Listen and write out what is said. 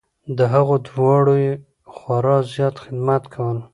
د هغو دواړو یې خورا زیات خدمت کول .